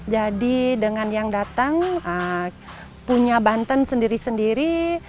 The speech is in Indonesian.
jadi dengan yang datang punya banten sendiri sendiri